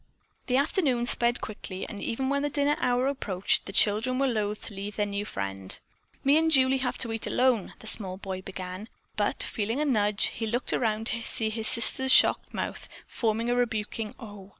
The afternoon sped quickly and even when the dinner hour approached the children were loath to leave their new friend. "Me and Julie have to eat alone," the small boy began, but, feeling a nudge, he looked around to see his sister's shocked little mouth forming a rebuking O!